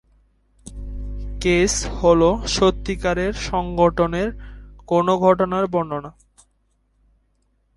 Case হলো সত্যিকারের সংগঠনের কোন ঘটনার বর্ণনা।